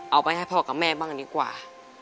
เอาไปให้พ่อกับแม่บ้างดีกว่า